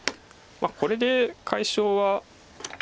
これで解消は。